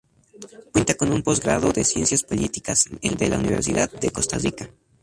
Cuenta con un posgrado en Ciencias Políticas, de la Universidad de Costa Rica.